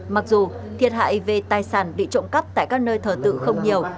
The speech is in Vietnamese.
mặc dù thiệt hại về tài sản bị trộm cắp tại các nơi thờ tự không nhiều